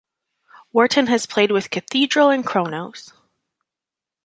Wharton has played with Cathedral and Cronos.